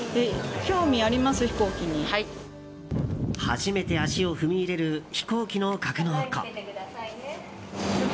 初めて足を踏み入れる飛行機の格納庫。